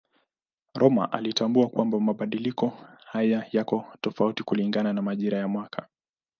Rømer alitambua kwamba mabadiliko haya yako tofauti kulingana na majira ya mwaka.